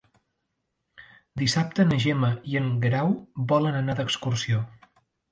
Dissabte na Gemma i en Guerau volen anar d'excursió.